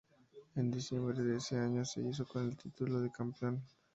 En diciembre de ese año se hizo con el título de campeón.